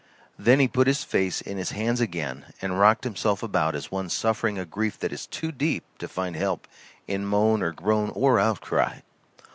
Then he put his face in his hands again and rocked himself about as one suffering a grief that is too deep to find help in moan or groan or outcry.